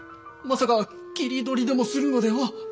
まさか斬り取りでもするのでは。